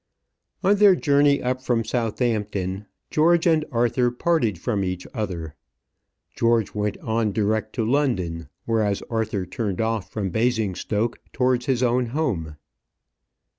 On their journey up from Southampton, George and Arthur parted from each other. George went on direct to London, whereas Arthur turned off from Basingstoke towards his own home.